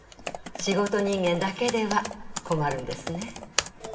仕事人間だけでは困るんですね。